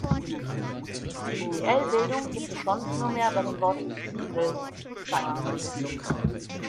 Die "-el"-Bildung gibt es sonst nur mehr bei dem Wort „Zwiesel“ zu zwei.